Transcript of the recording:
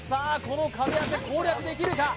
この壁当て攻略できるか？